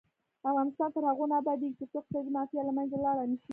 افغانستان تر هغو نه ابادیږي، ترڅو اقتصادي مافیا له منځه لاړه نشي.